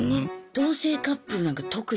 同棲カップルなんか特に。